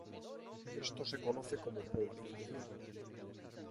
Esto se conoce como polarización.